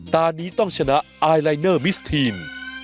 ตอนนี้ต้องชนะไอลายเนอร์มิสทีน